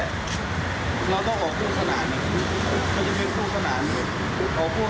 อ๋อตรงนั้นจะมีเขียง